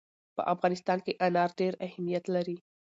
په افغانستان کې انار ډېر اهمیت لري.